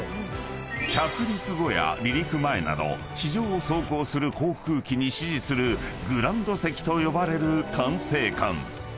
［着陸後や離陸前など地上を走行する航空機に指示するグランド席と呼ばれる管制官］